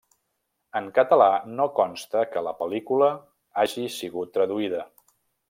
En català, no consta que la pel·lícula hagi sigut traduïda.